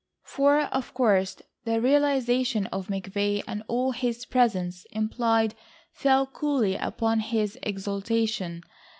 For, of course, the realisation of McVay and all his presence implied fell coolly upon his exaltation.